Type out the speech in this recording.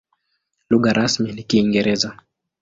Lugha rasmi ni Kiingereza.